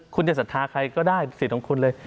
คุณจะศรัทธาใครก็ได้สิทธิ์ของคุณเลย